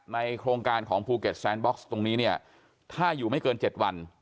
ในโครงการของภูเก็ตตรงนี้เนี่ยถ้าอยู่ไม่เกินเจ็ดวัน